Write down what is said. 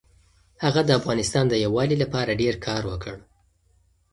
هغه د افغانستان د یووالي لپاره ډېر کار وکړ.